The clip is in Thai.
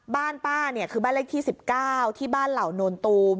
บ้านป้าเนี่ยคือบ้านเลขที่๑๙ที่บ้านเหล่าโนนตูม